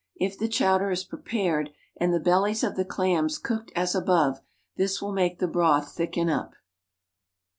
If the chowder is prepared and the bellies of the clams cooked as above, this will make the broth thicken up.